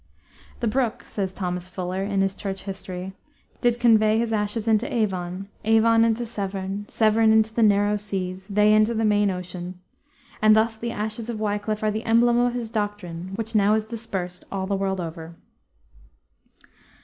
"The brook," says Thomas Fuller, in his Church History, "did convey his ashes into Avon; Avon into Severn; Severn into the narrow seas; they into the main ocean. And thus the ashes of Wiclif are the emblem of his doctrine, which now is dispersed all the world over."